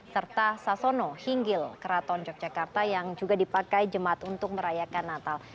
serta sasono hinggil keraton jas jakarta yang juga di pakai jemat untuk merayakan natal